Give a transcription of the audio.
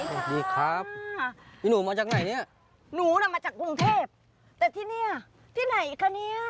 สวัสดีครับพี่หนูมาจากไหนเนี่ยหนูน่ะมาจากกรุงเทพแต่ที่เนี่ยที่ไหนคะเนี่ย